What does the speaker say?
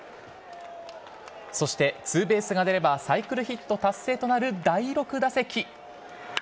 そして、ツーベースが出れば、サイクルヒット達成となる第６打席。